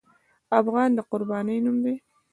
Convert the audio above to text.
افغان د قربانۍ نوم دی.